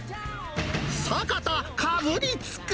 坂田、かぶりつく。